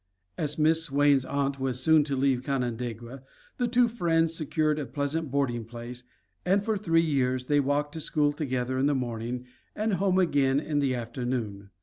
As Miss Swain's aunt was soon to leave Canandaigua, the two friends secured a pleasant boarding place, and for three years they walked to school together in the morning and home again in the afternoon.